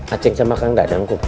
acek sama kang dadang kum